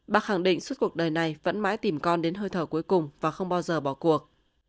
bác khẳng định suốt cuộc đời này vẫn mãi tìm con đến hơi thở cuối cùng và không bao giờ bỏ cuộc